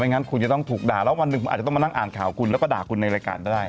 งั้นคุณจะต้องถูกด่าแล้ววันหนึ่งคุณอาจจะต้องมานั่งอ่านข่าวคุณแล้วก็ด่าคุณในรายการก็ได้